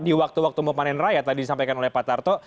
di waktu waktu memanen raya tadi disampaikan oleh pak tarto